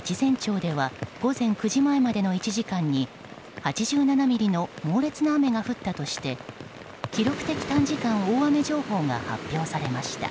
越前町では午前９時前までの１時間に８７ミリの猛烈な雨が降ったとして記録的短時間大雨情報が発表されました。